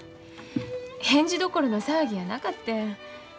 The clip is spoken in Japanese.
返事どころの騒ぎやなかってん。